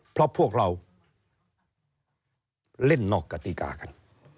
เพราะพวกเราเล่นนอกกติกากัน